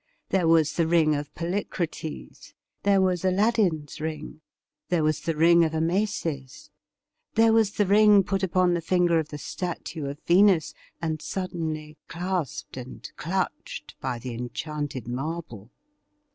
There was the ring of Polycrates ; there was Aladdin's ring ; there was the ring of Amasis ; there was the ring put upon the finger of the statue of Venus, and suddenly clasped and clutched by the enchanted mai'ble.